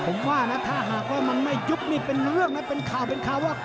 ผมว่านะถ้าหากว่ามันไม่ยุบนี่เป็นเรื่องนะเป็นข่าวเป็นข่าวว่า